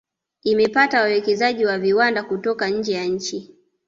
Imepata wawekezaji wa viwanada kutoka nje ya nchi